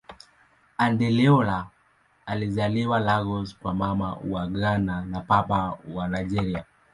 Adeola alizaliwa Lagos kwa Mama wa Ghana na Baba wa Nigeria.